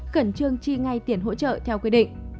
khẩn trương chi ngay tiền hỗ trợ theo quy định